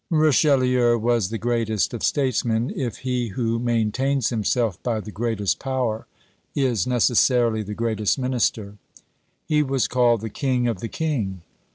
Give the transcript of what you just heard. Richelieu was the greatest of statesmen, if he who maintains himself by the greatest power is necessarily the greatest minister. He was called "the King of the King."